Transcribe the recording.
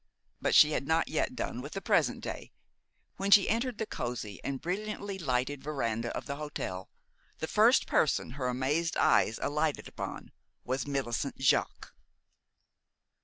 But she had not yet done with the present day. When she entered the cozy and brilliantly lighted veranda of the hotel, the first person her amazed eyes alighted upon was Millicent Jaques.